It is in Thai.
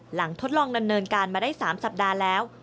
ทดลองดำเนินการมาได้๓สัปดาห์แล้ว